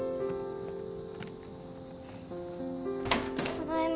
ただいま